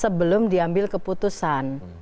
sebelum diambil keputusan